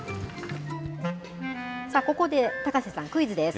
ここで高瀬さん、クイズです。